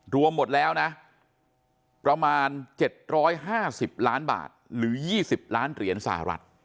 รวมหมดแล้วนะประมาณ๗๕๐ล้านบาทหรือ๒๐ล้านเหรียญสหรัฐ